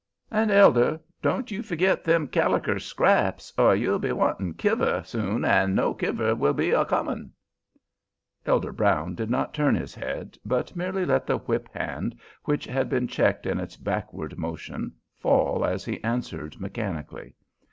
"And, elder, don't you forgit them caliker scraps, or you'll be wantin' kiver soon an' no kiver will be a comin'." Elder Brown did not turn his head, but merely let the whip hand, which had been checked in its backward motion, fall as he answered mechanically.